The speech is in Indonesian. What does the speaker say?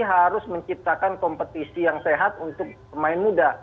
harus menciptakan kompetisi yang sehat untuk pemain muda